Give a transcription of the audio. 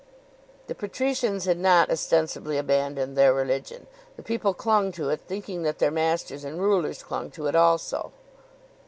"The patricians had not ostensibly abandoned their religion. The people clung to it thinking that their masters and rulers clung to it also."